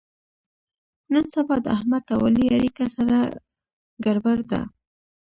نن سبا د احمد او علي اړیکه سره ګړبړ ده.